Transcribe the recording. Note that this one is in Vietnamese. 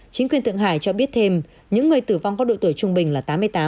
chính quyền tượng hải cho biết thêm những người tử vong có độ tuổi trung bình là tám mươi tám